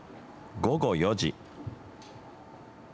午後４時。